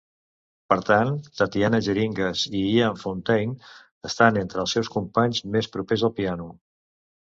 Per tant, Tatiana Geringas i Ian Fountain estan entre els seus companys més propers al piano.